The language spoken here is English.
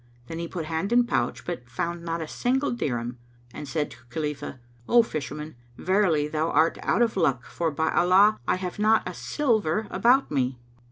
Then he put hand in pouch, but found not a single dirham and said to Khalifah, "O Fisherman, verily thou art out of luck for, by Allah, I have not a silver about me!